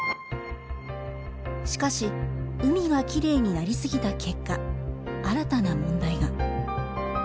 しかし海がきれいになりすぎた結果新たな問題が。